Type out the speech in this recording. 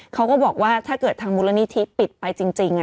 เขาก็บอกว่าถ้าเกิดทางมูลนิธิปิดไปจริง